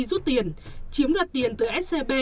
rút tiền chiếm được tiền từ scb